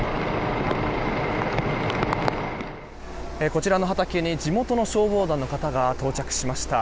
こちらの畑に地元の消防団の方が到着しました。